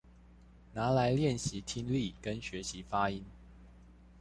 拿來練習聽力跟學習發音